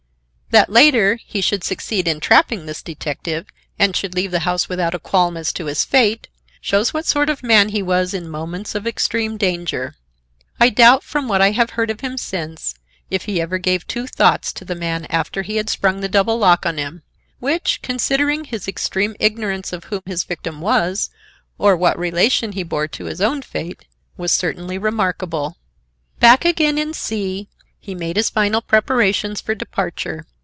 That later, he should succeed in trapping this detective and should leave the house without a qualm as to his fate shows what sort of man he was in moments of extreme danger. I doubt, from what I have heard of him since, if he ever gave two thoughts to the man after he had sprung the double lock on him; which, considering his extreme ignorance of who his victim was or what relation he bore to his own fate, was certainly remarkable. Back again in C—, he made his final preparations for departure.